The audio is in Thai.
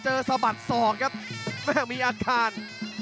สะบัดศอกครับแม่มีอาการ